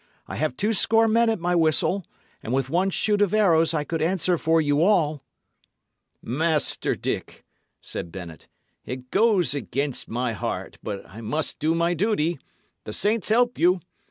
I have two score men at my whistle, and with one shoot of arrows I could answer for you all." "Master Dick," said Bennet, "it goes against my heart; but I must do my duty. The saints help you!"